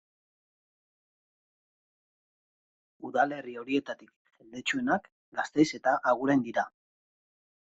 Udalerri horietatik jendetsuenak Gasteiz eta Agurain dira.